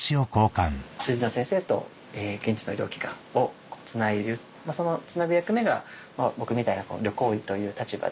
主治医の先生と現地の医療機関をつなぐそのつなぐ役目が僕みたいな旅行医という立場で。